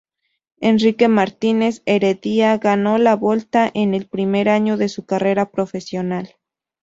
Enrique Martínez Heredia ganó la "Volta" en el primer año de su carrera profesional.